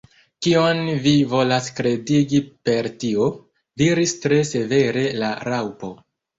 "Kion vi volas kredigi per tio?" diris tre severe la Raŭpo.